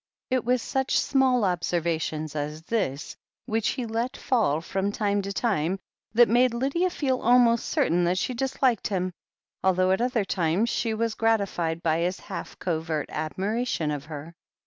It was such small observations as this, which he let fall from time to time, that made Lydia fed almost certain that she disliked him, although at other times she was gratified by his half covert admiration of her.